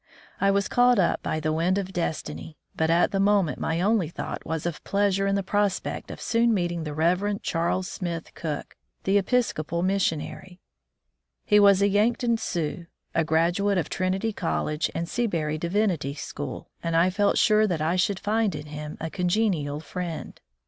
I was caught up by the wind of destiny, but at the moment my only thought was of pleasure in the prospect of soon meeting the Reverend Charles Smith Cook, the Episcopal missionary. He was a Yankton Sioux, a graduate of Trinity College and Seabury Divinity School, and I felt sure that I should find in him a congenial friend.